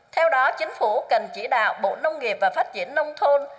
theo đó chính phủ cần chỉ đạo bộ nông nghiệp và phát triển nông thôn